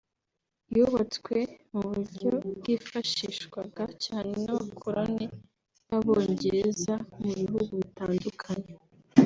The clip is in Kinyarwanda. yubatswe mu buryo bwifashishwaga cyane n’Abakoloni b’Abongereza mu bihugu bitandukanye